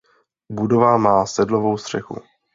Budova má sedlovou střechu.